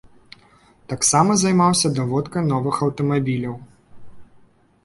Таксама займаўся даводкай новых аўтамабіляў.